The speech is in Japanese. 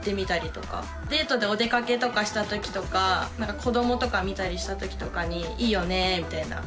デートでお出かけとかした時とか子どもとか見たりした時とかに「いいよね」みたいな。